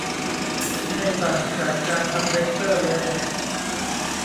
ไม่ต่างจากการทำเลเซอร์เลย